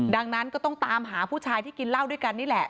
ดังนั้นก็ต้องตามหาผู้ชายที่กินเหล้าด้วยกันนี่แหละ